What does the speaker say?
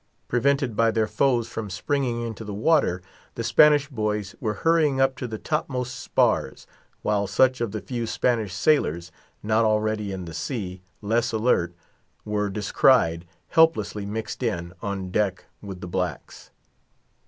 Prevented by their foes from springing into the water, the Spanish boys were hurrying up to the topmost spars, while such of the few Spanish sailors, not already in the sea, less alert, were descried, helplessly mixed in, on deck, with the blacks.